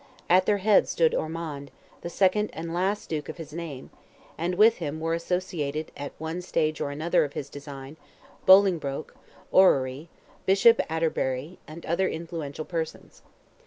At their head stood Ormond, the second and last Duke of his name, and with him were associated at one stage or another of his design, Bolingbroke, Orrery, Bishop Atterbury, and other influential persons.